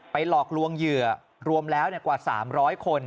หลอกลวงเหยื่อรวมแล้วกว่า๓๐๐คน